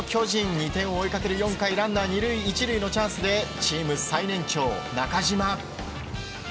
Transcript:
２点を追いかける４回ランナー２塁１塁のチャンスでチーム最年長、中島。